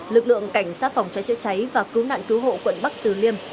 lực lượng cảnh sát phòng cháy chữa cháy và cứu nạn cứu hộ quận bắc từ liêm